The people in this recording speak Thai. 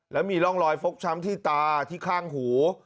แล้วมีร่องรอยฟกช้ำที่ตาที่ข้างหู